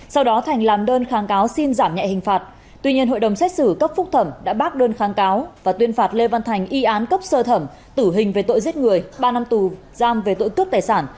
sau đó thành làm đơn kháng cáo xin giảm nhẹ hình phạt tuy nhiên hội đồng xét xử cấp phúc thẩm đã bác đơn kháng cáo và tuyên phạt lê văn thành y án cấp sơ thẩm tử hình về tội giết người ba năm tù giam về tội cướp tài sản